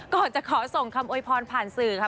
ก่อนจะขอส่งคำโวยพรผ่านสื่อค่ะ